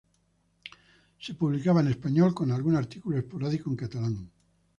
Se publicaba en español, con algún artículo esporádico en catalán.